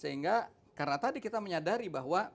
sehingga karena tadi kita menyadari bahwa